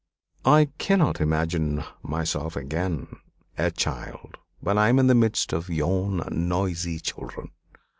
"I cannot imagine myself again a child when I am in the midst of yon noisy children.